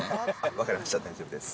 分かりました、大丈夫です。